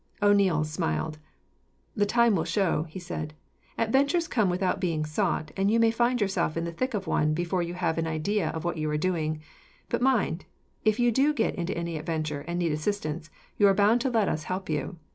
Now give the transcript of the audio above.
O'Neil smiled. "Time will show," he said. "Adventures come without being sought, and you may find yourself in the thick of one, before you have an idea of what you are doing. But mind, if you do get into any adventure and need assistance, you are bound to let us help you.